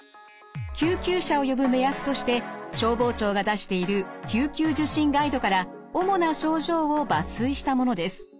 救急車を呼ぶ目安として消防庁が出している救急受診ガイドから主な症状を抜粋したものです。